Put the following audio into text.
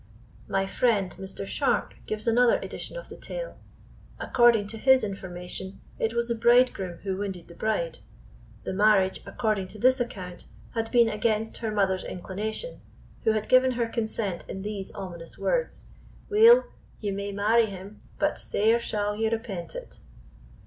My friend, Mr. Sharpe, gives another edition of the tale. According to his information, it was the bridegroom who wounded the bride. The marriage, according to this account, had been against her mother's inclination, who had given her consent in these ominous words: "Weel, you may marry him, but sair shall you repent it."